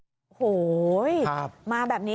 นี่ค่ะน้ำที่มันไหลออกมาแบบนี้